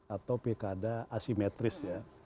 atau pilkada asimetris ya